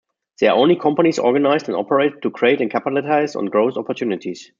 There are only companies organized and operated to create and capitalize on growth opportunities.